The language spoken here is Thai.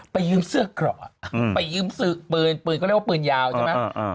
ยืมเสื้อเกราะไปยืมปืนปืนก็เรียกว่าปืนยาวใช่ไหม